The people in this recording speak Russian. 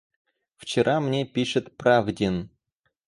Вчера мне пишет Правдин...